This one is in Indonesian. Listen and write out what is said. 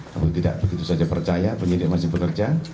kalau tidak begitu saja percaya penyelidik masih bekerja